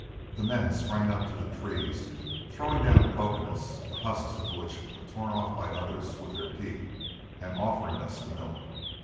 The men sprang up to the trees, throwing down cocoa nuts, the husks of which were torn off by others with their teeth, and offering us the milk.